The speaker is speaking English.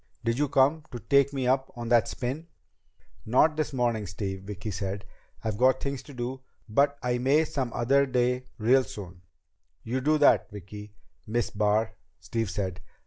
"Did you come to take me up on that spin?" "Not this morning, Steve," Vicki said. "I've got things to do. But I may some other day real soon." "You do that, Vicki Miss Barr," Steve said.